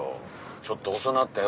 ちょっと遅なったよ